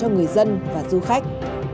các người dân và du khách